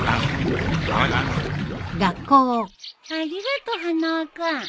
ありがと花輪君。